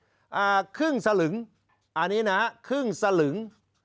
อ่าครึ่งสลึงอันนี้นะฮะครึ่งสลึง